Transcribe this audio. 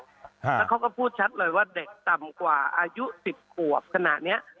แล้วเขาก็พูดชัดเลยว่าเด็กต่ำกว่าอายุ๑๐ขวบขณะเนี้ย